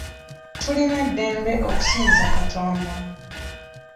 Tulina eddembe okusinza Katonda.